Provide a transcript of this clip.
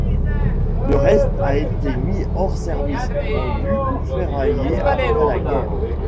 Le reste a été mis hors service, vendu, ou ferraillé après la guerre.